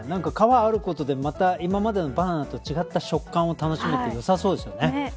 皮があることで今までのバナナと違った食感を楽しめてよさそうですね。